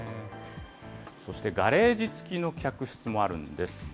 そして、ガレージ付きの客室もあるんです。